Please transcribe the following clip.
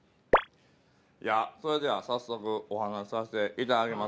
じゃそれでは早速お話させていただきます。